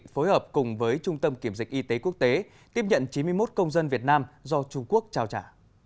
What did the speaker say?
phối hợp cùng với trung tâm kiểm dịch y tế quốc tế tiếp nhận chín mươi một công dân việt nam do trung quốc trao trả